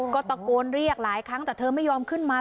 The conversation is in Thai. ก็ตะโกนเรียกหลายครั้งแต่เธอไม่ยอมขึ้นมา